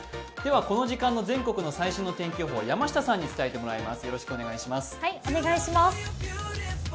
この時間の全国の最新の天気予報、山下さんに伝えてもらいます。